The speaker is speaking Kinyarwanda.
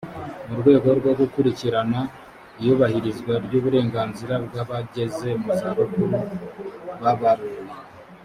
mu rwego rwo gukurikirana iyubahirizwa ry’uburenganzira bw’abageze mu zabukuru babaruwe